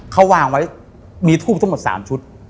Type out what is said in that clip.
เขาวางไว้มีทูบทั้งหมด๓ชุด